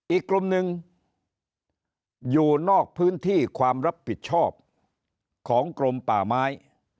อีกกลุ่มหนึ่งอยู่นอกพื้นที่ความรับผิดชอบของกรมป่าไม้